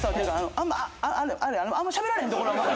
あんましゃべられへんところは。